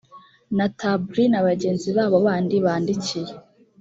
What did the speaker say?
na tab li na bagenzi babo bandi bandikiye